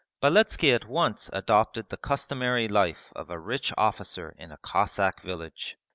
Beletski at once adopted the customary life of a rich officer in a Cossack village.